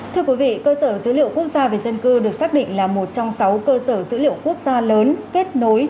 thưa quý vị cơ sở dữ liệu quốc gia về dân cư được xác định là một trong sáu cơ sở dữ liệu quốc gia lớn kết nối